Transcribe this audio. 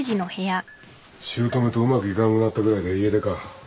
姑とうまくいかなくなったぐらいで家出か。